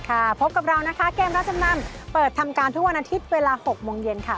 พบกับเรานะคะเกมรับจำนำเปิดทำการทุกวันอาทิตย์เวลา๖โมงเย็นค่ะ